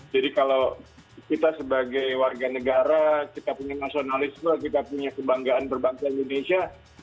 jadi kalau kita sebagai warga negara kita punya nasionalisme kita punya kebanggaan berbangsa indonesia